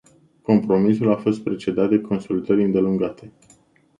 Compromisul a fost precedat de consultări îndelungate.